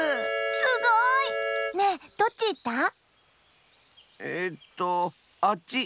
すごい！ねえどっちいった？ええっとあっち！